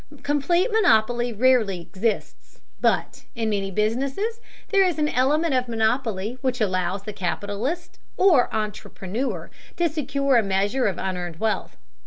] Complete monopoly rarely exists, but in many businesses there is an element of monopoly which allows the capitalist or entrepreneur to secure a measure of unearned wealth.